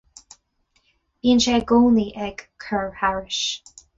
Bíonn sé i gcónaí ag “cur thairis”.